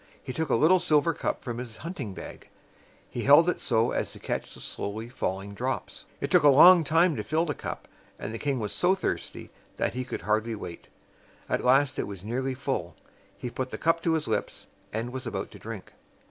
He took a little silver cup from his hunting bag. He held it so as to catch the slowly falling drops. It took a long time to fill the cup; and the king was so thirsty that he could hardly wait. At last it was nearly full. He put the cup to his lips, and was about to drink.